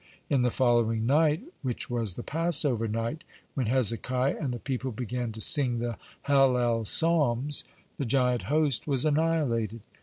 (53) In the following night, which was the Passover night, when Hezekiah and the people began to sing the Hallel Psalms, (54) the giant host was annihilated.